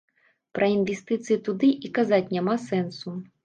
Пра інвестыцыі туды і казаць няма сэнсу.